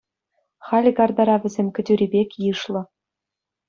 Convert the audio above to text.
Халӗ картара вӗсем кӗтӳри пек йышлӑ.